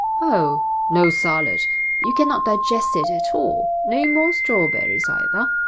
Oh! no salad! You cannot digest it at all. No more strawberries either!